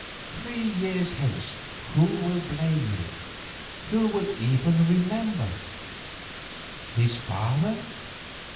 Three years hence who will blame you, who will even remember? His father?